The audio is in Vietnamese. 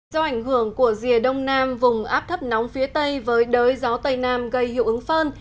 do ảnh hưởng của rìa đông nam vùng áp thấp nóng phía tây với đới gió tây nam gây hiệu ứng phơn